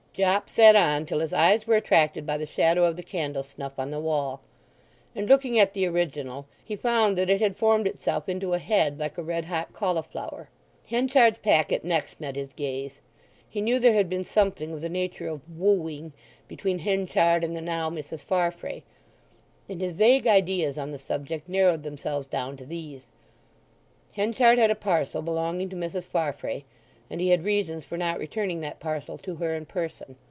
Jopp sat on till his eyes were attracted by the shadow of the candle snuff on the wall, and looking at the original he found that it had formed itself into a head like a red hot cauliflower. Henchard's packet next met his gaze. He knew there had been something of the nature of wooing between Henchard and the now Mrs. Farfrae; and his vague ideas on the subject narrowed themselves down to these: Henchard had a parcel belonging to Mrs. Farfrae, and he had reasons for not returning that parcel to her in person.